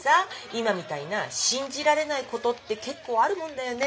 今みたいな信じられないことって結構あるもんだよね。